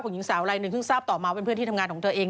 หญิงสาวลายหนึ่งซึ่งทราบต่อมาเป็นเพื่อนที่ทำงานของเธอเอง